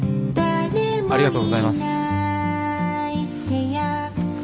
ありがとうございます。